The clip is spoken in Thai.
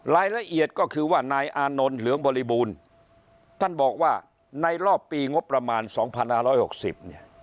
รายละเอียดก็คือว่านายอานนท์เหลืองบริบูรณ์ท่านบอกว่าในรอบปีงบประมาณ๒๕๖๐เนี่ย